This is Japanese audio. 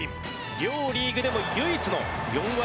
両リーグでも唯一の４割超え。